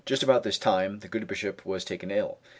Just about this time the good Bishop was taken ill.